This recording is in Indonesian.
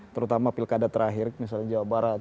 terutama pilkada terakhir misalnya jawa barat